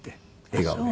笑顔で？